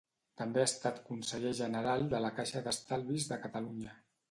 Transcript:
També ha estat conseller general de la Caixa d'Estalvis de Catalunya.